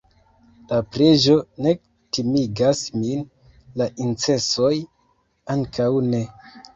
la preĝo ne timigas min, la incensoj ankaŭ ne.